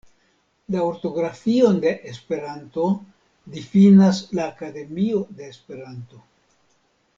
La ortografion de Esperanto difinas la Akademio de Esperanto.